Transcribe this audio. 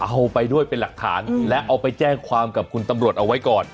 เอาไปด้วยเป็นหลักฐานและเอาไปแจ้งความกับคุณตำรวจเอาไว้ก่อน